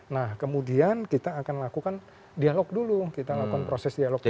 nah kemudian kita akan lakukan dialog dulu kita lakukan proses dialog dulu